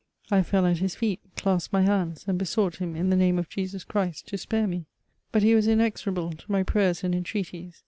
I feJk at his feet, clasped my hands, and besought him, in the name of Jesus Ghrist« to spare me ; but he was inexoraMe to my prayers and entreaties.